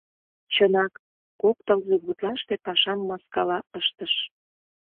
Чынак, кок тылзе гутлаште пашам маскала ыштыш.